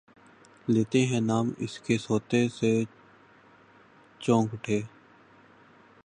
لیتے ہی نام اس کا سوتے سے چونک اٹھے